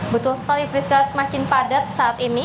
betul sekali priska semakin padat saat ini